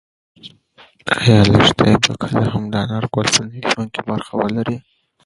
ایا لښتې به کله هم د انارګل په نوي ژوند کې برخه ولري؟